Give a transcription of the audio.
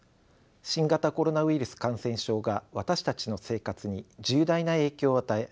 新型コロナウイルス感染症が私たちの生活に重大な影響を与え